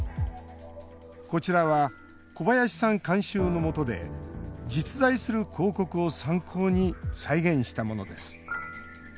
こちらは、小林さん監修のもとで実在する広告を参考に再現したものです。